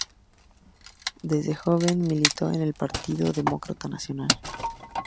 Desde joven militó en el Partido Demócrata Nacional.